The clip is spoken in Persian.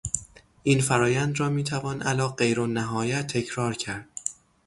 این فرآیند را میتوان الی غیر النهایه تکرار کرد.